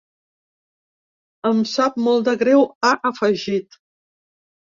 Em sap molt de greu, ha afegit.